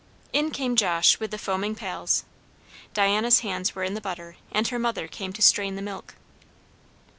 In came Josh with the foaming pails. Diana's hands were in the butter, and her mother came to strain the milk.